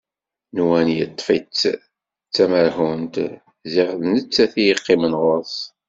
Nwan yeṭṭef-itt d tamerhunt, ziɣ d nettat i yeqqimen ɣur-s.